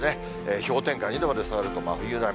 氷点下２度まで下がると真冬並み。